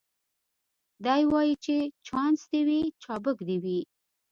دی وايي چي چانس دي وي چابک دي وي